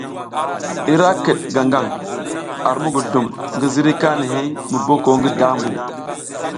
Ira kiɗ gaŋ gang ar muguzlum ngi ziriy kanihey mu boko ngi dambu.